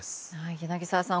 柳澤さん